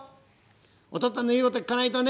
お父っつぁんの言うこと聞かないとね